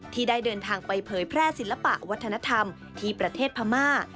ที่ได้เดินทางไปเผยแพร่ศิลปะวัฒนธรรมที่ประเทศพม่า